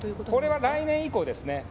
それは来年以降ですね。